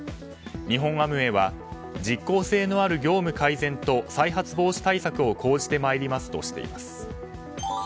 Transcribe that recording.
日本アムウェイは実効性のある業務改善と再発防止対策を講じてまいりますとしています。